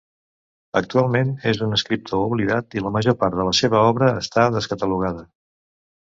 Actualment és un escriptor oblidat i la major part de la seva obra està descatalogada.